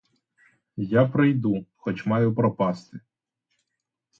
Я прийду, хоч маю пропасти.